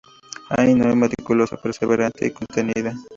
Aino era meticulosa, perseverante y contenida.